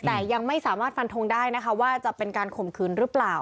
แต่ยังไม่สามารถฟันทงได้นะคะว่าจะเป็นการข่มขืนหรือเปล่า